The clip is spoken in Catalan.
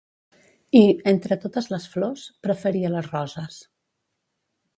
I, entre totes les flors, preferia les roses.